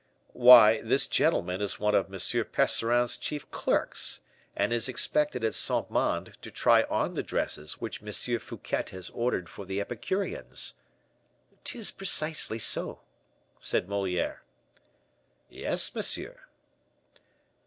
"Why, this gentleman is one of M. Percerin's chief clerks, and is expected at Saint Mande to try on the dresses which M. Fouquet has ordered for the Epicureans." "'Tis precisely so," said Moliere. "Yes, monsieur."